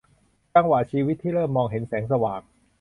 จังหวะชีวิตที่เริ่มมองเห็นแสงสว่าง